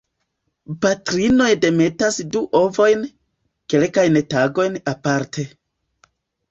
Patrinoj demetas du ovojn, kelkajn tagojn aparte.